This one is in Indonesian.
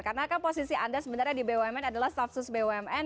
karena kan posisi anda sebenarnya di bumn adalah stafsus bumn